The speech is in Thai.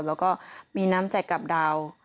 แล้วก็มีน้ำใจกับดาว